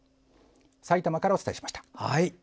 さいたまからお伝えしました。